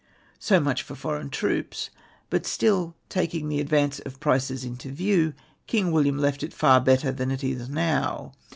>So much for foreign troops ; but still, taking the advance of prices into view, King William left it far better than it is now.